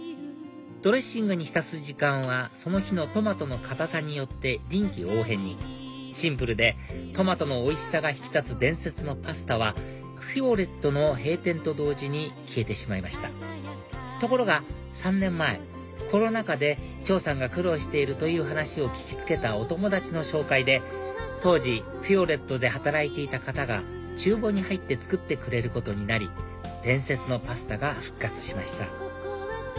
ドレッシングに浸す時間はその日のトマトの硬さによって臨機応変にシンプルでトマトのおいしさが引き立つ伝説のパスタはフィオレットの閉店と同時に消えてしまいましたところが３年前コロナ禍で張さんが苦労しているという話を聞き付けたお友達の紹介で当時フィオレットで働いていた方が厨房に入って作ってくれることになり伝説のパスタが復活しました